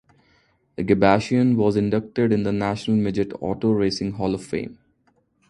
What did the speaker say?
Agabashian was inducted in the National Midget Auto Racing Hall of Fame.